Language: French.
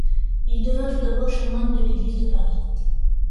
Il devint tout d'abord chanoine de l'église de Paris.